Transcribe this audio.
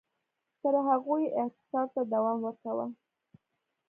تر هغو یې اعتصاب ته دوام ورکاوه